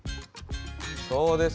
そうです。